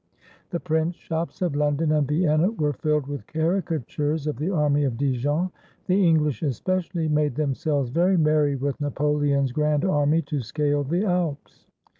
The print shops of London and Vienna were filled with caricatures of the army of Dijon. The Eng lish especially made themselves very merry with Napo leon's grand army to scale the Alps.